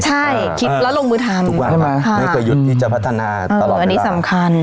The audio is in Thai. ใช่คิดแล้วลงมือทำไม่ก็หยุดที่จะพัฒนาตลอดเวลาอันนี้สำคัญ